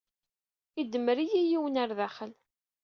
Idemmer-iyi yiwen ɣer daxel.